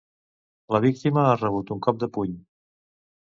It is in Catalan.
La víctima ha rebut un cop de puny.